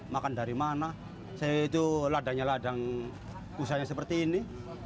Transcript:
makan dari mana saya itu ladangnya ladang usahanya seperti ini